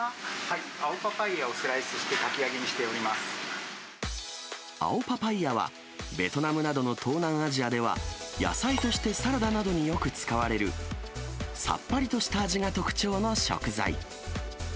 青パパイヤをスライスしてか青パパイヤは、ベトナムなどの東南アジアでは野菜としてサラダなどによく使われるさっぱりとした味が特徴の食材。